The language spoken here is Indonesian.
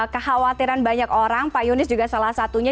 kekhawatiran banyak orang pak yunis juga salah satunya